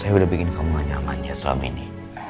saya udah bikin kamu gak nyaman ya selama ini